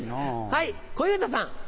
はい小遊三さん。